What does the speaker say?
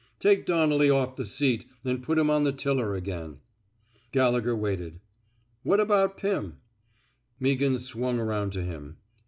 Take Donnelly off the seat an^ put him on the tiller again." Gallegher waited. What about Pim? *' Meaghan swung around to him.